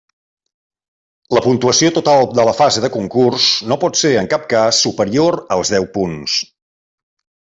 La puntuació total de la fase de concurs no pot ser, en cap cas, superior als deu punts.